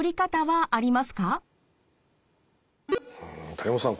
谷本さん